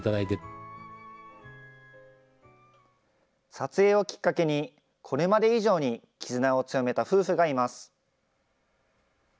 撮影をきっかけに、これまで以上に絆を強めた夫婦がいます。